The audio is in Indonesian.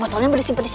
boto nya berisi berisi